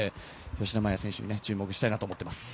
吉田麻也選手に注目したいと思っています。